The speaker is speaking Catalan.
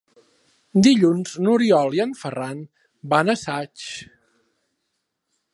Dilluns n'Oriol i en Ferran van a Saix.